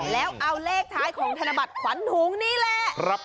แล้วเอาเลขท้ายของธนบัตรขวัญถุงนี่แหละ